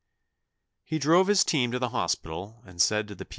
He drove his team to the hospital and said to the P.